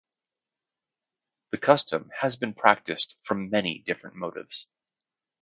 The custom has been practiced from many different motives.